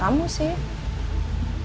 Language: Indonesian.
kamu ke rumah sakit kurnia